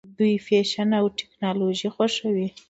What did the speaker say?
دوی فیشن او ټیکنالوژي خوښوي.